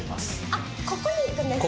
あっここに行くんですね。